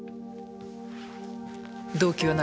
動機は何？